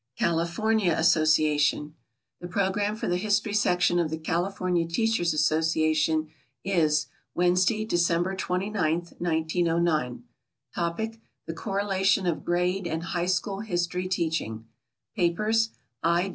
CALIFORNIA ASSOCIATION. The program for the History Section of the California Teachers' Association is: WEDNESDAY, DECEMBER 29TH, 1909. Topic: "The Correlation of Grade and High School History Teaching." Papers: I.